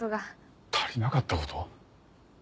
足りなかったこと？